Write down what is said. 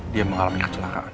dia mengalami kecelakaan